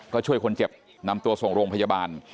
ก็ช่วยคนเจ็บนำตัวส่งโรงพยาบาล